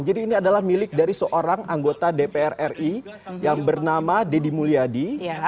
jadi ini adalah milik dari seorang anggota dpr ri yang bernama deddy mulyadi